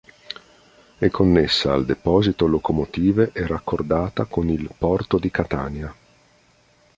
È connessa al deposito locomotive e raccordata con il Porto di Catania.